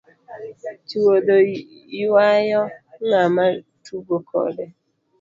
Choudho ywayo ng'ama tugo kode.